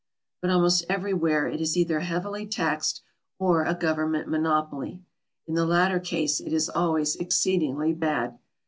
But almost everywhere it is either heavily taxed or a Government monopoly; in the latter case it is always exceedingly bad.